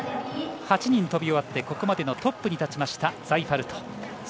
８人飛び終わってここまでのトップに立ちましたザイファルト。